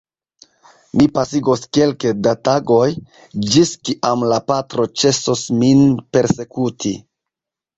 Mi pasigos kelke da tagoj, ĝis kiam la patro ĉesos min persekuti.